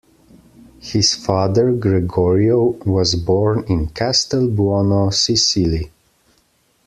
His father, Gregorio, was born in Castelbuono, Sicily.